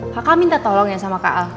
kakak minta tolong ya sama kak al